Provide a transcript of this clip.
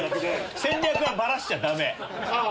戦略はバラしちゃダメ！